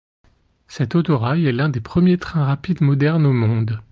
Cet autorail est l'un des premiers trains rapides modernes au monde.